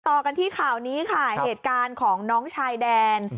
ต่อกันที่ข่าวนี้ค่ะเหตุการณ์ของน้องชายแดน